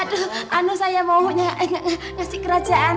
aduh anu saya maunya ngasih kerajaan